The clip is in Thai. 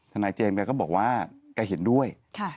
ทนายเจมส์ก็บอกว่าใครเห็นด้วย